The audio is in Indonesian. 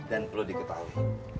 dan perlu diketahui